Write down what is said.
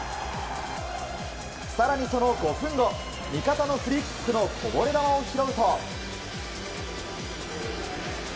更にその５分後味方のフリーキックのこぼれ球を拾うと。